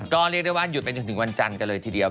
ก็เรียกได้ว่าหยุดไปจนถึงวันจันทร์กันเลยทีเดียว